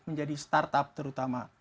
menjadi startup terutama